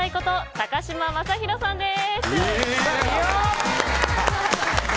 高嶋政宏さんです。